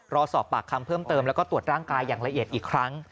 รอสอบปากคำเพิ่มเติมแล้วก็ตรวจร่างกายอย่างละเอียดอีกครั้ง